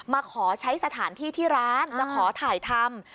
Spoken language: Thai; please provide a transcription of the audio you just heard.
มาขอใช้สถานที่ที่ร้านจะขอถ่ายทำ